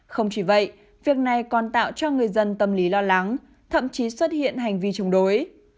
không chỉ vậy việc này còn tạo cho người dân tâm lý lo lắng thậm chí xuất hiện hành vi chống đối